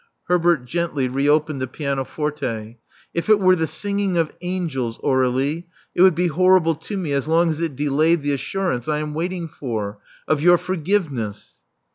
*' Herbert gently re opened the pianoforte. "If it were the singing of angels, Aurelie, it would be horrible to me as long as it delayed the assurance I am waiting for — of your forgiveness."